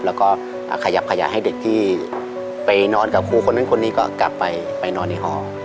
แล้วก็ขยับขยายให้เด็กที่ไปนอนกับครูคนนั้นคนนี้ก็กลับไปนอนในห้อง